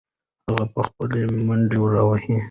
هغه به خپله منډې راوهي.